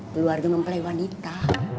keluarga mempelai wanita